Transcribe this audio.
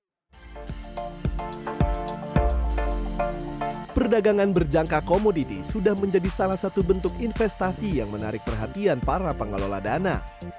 pertama perdagangan berjangka komoditi sudah menjadi salah satu bentuk investasi yang menarik perhatian para pengelola dana